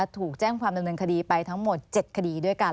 ถูกแจ้งความดำเนินคดีไปทั้งหมด๗คดีด้วยกัน